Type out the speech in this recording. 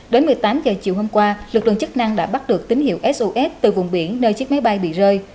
đến một mươi tám h chiều hôm qua lực lượng chức năng đã bắt được tín hiệu sos từ vùng biển nơi chiếc máy bay bị rơi